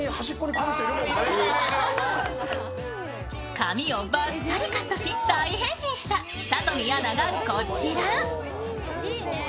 髪をバッサリカットし、大変身した久富アナがこちら。